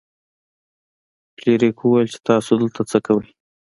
فلیریک وویل چې تاسو دلته څه کوئ.